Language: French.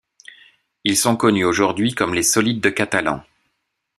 Ils sont connus aujourd'hui comme les solides de Catalan.